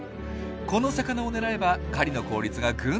この魚を狙えば狩りの効率がぐんと上がります。